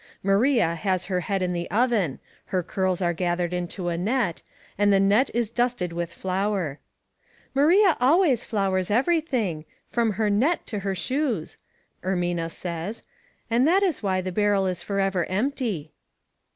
Maria has her head in the oven, her curls are gathered into a net, and the net ia 1& 16 Household Puzzles. dusted with flour. " Maria always flours every thing, from her Det to her shoes," Ermina says, " and that is why the barrel is forever empty.'